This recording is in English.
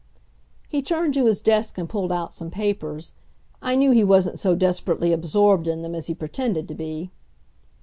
He turned to his desk and pulled out some papers. I knew he wasn't so desperately absorbed in them as he pretended to be.